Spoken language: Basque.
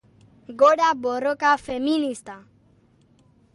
Gora borroka feminista!!!